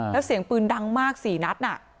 แล้วเสียงปืนดังมาก๔นัด